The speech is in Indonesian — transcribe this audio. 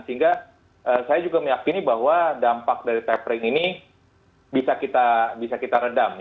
sehingga saya juga meyakini bahwa dampak dari tapering ini bisa kita redam